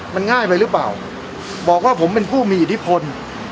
มันง่ายไปหรือเปล่าบอกว่าผมเป็นผู้มีอิทธิพล